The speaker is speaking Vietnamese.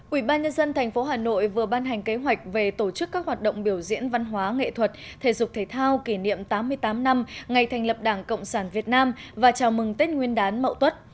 ủy ban nhân dân tp hà nội vừa ban hành kế hoạch về tổ chức các hoạt động biểu diễn văn hóa nghệ thuật thể dục thể thao kỷ niệm tám mươi tám năm ngày thành lập đảng cộng sản việt nam và chào mừng tết nguyên đán mậu tuất